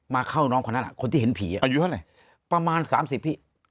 เข้าน้องคนนั้นคนที่เห็นผีอายุเท่าไหร่ประมาณสามสิบพี่